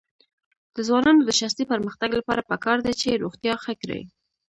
د ځوانانو د شخصي پرمختګ لپاره پکار ده چې روغتیا ښه کړي.